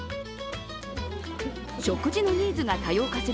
食事のニーズが多様化する